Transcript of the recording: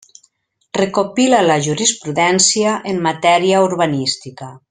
Recopila la jurisprudència en matèria urbanística.